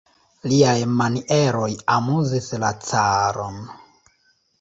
Liaj manieroj amuzis la caron.